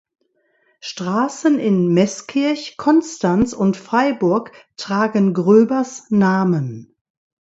Straßen in Meßkirch, Konstanz und Freiburg tragen Gröbers Namen.